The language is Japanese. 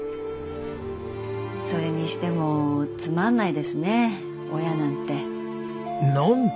それにしてもつまんないですね親なんて。